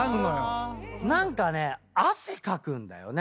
何かね汗かくんだよね。